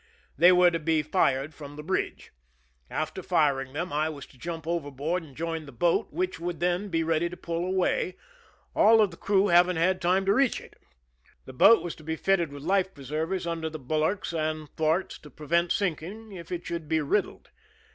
They were to be fired from the bridge. After firing them, I was to jump overboard and join the boat, which would then be ready to pull away, all the crew having had time to reacii it. The boat was to be fitted with life preservers under the bulwarks and thwarts to prevent sinking if it should l»e riddled.